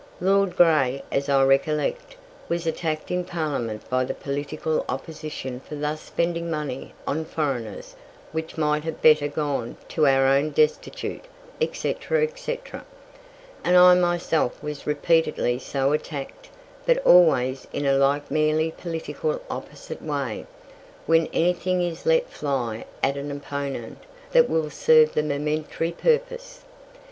Lord Grey, as I recollect, was attacked in Parliament by the political opposition for thus spending money on foreigners which might have better gone to our own destitute, etc., etc. And I myself was repeatedly so attacked, but always in a like merely political opposition way, when anything is let fly at an opponent that will serve the momentary purpose.